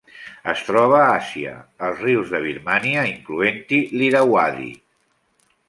Es troba a Àsia: els rius de Birmània, incloent-hi l'Irauadi.